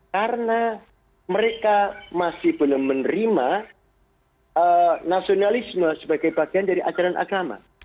karena mereka masih belum menerima nasionalisme sebagai bagian dari ajaran agama